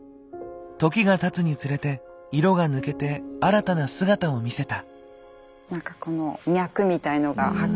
時がたつにつれて色が抜けて新たな姿を見せた。